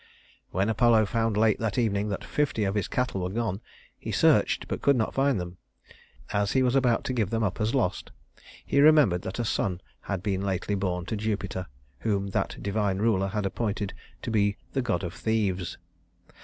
When Apollo found late that evening that fifty of his cattle were gone, he searched but could not find them. As he was about to give them up as lost, he remembered that a son had been lately born to Jupiter, whom that divine ruler had appointed to be the god of thieves.